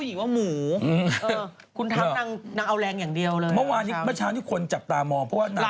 อุ๊ยคุณทัพนางนางเอาแรงอย่างเดียวเลยนะเมื่อเช้านี้คนจับตามองเพราะว่า